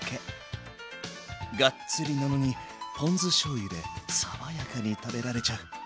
がっつりなのにポン酢しょうゆで爽やかに食べられちゃう。